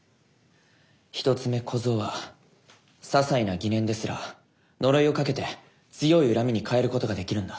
一つ目小僧はささいな疑念ですら呪いをかけて強い恨みに変えることができるんだ。